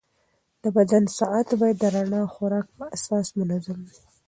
د بدن ساعت باید د رڼا او خوراک په اساس منظم وي.